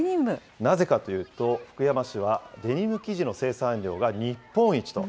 なぜかというと、福山市は、デニム生地の生産量が日本一と。